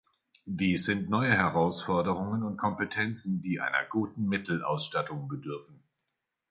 Dies sind neue Herausforderungen und Kompetenzen, die einer guten Mittelausstattung bedürfen.